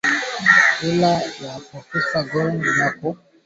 Ilani ya profesa George Wajackoya inaangazia mambo kumi